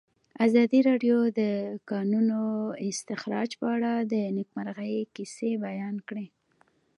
ازادي راډیو د د کانونو استخراج په اړه د نېکمرغۍ کیسې بیان کړې.